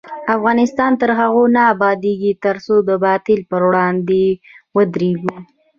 افغانستان تر هغو نه ابادیږي، ترڅو د باطل پر وړاندې ودریږو.